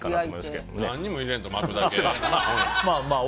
何も入れんと巻くだけ。